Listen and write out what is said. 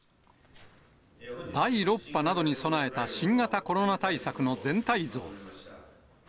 第６波などに備えた新型コロナ対策の全体像。